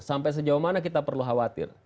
sampai sejauh mana kita perlu khawatir